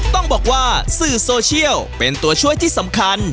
ต้องบอกว่าสื่อโซเชียลเป็นตัวช่วยที่สำคัญ